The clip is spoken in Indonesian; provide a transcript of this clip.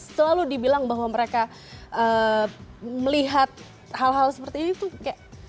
selalu dibilang bahwa mereka melihat hal hal seperti ini tuh kayak